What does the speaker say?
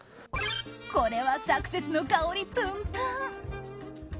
これはサクセスの香りプンプン。